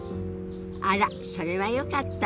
あらそれはよかった。